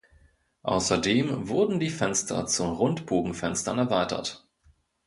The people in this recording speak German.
Außerdem wurden die Fenster zu Rundbogenfenstern erweitert.